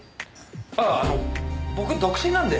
あああの僕独身なんで。